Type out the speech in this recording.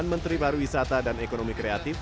menteri baru wisata dan ekonomi kreatif